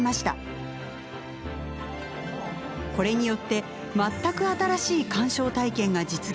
これによって全く新しい鑑賞体験が実現。